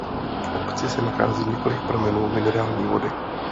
V obci se nachází několik pramenů minerální vody.